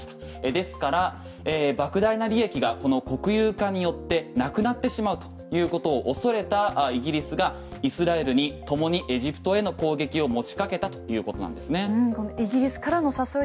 ですから莫大な利益がこの国有化によってなくなってしまうということを恐れたイギリスがイスラエルにともにエジプトへの攻撃を持ちかけたということなんですね。